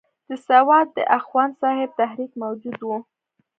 د سوات د اخوند صاحب تحریک موجود وو.